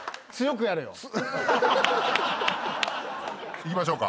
いきましょうか。